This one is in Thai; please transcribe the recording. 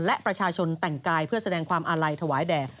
และประชาชนแต่งกายเพื่อแสดงความอาลัยถวายแด่